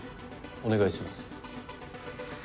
お願いします。